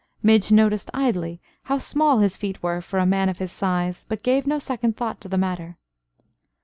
Midge noticed idly how small his feet were for a man of his size, but gave no second thought to the matter.